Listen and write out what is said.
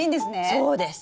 そうです。